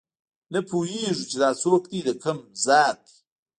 نه پوهېږو چې دا څوک دي دکوم ذات دي